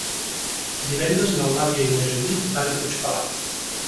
Divendres n'Eulàlia i na Judit van a Puigpelat.